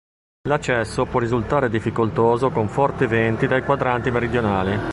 L'accesso può risultare difficoltoso con forti venti dai quadranti meridionali.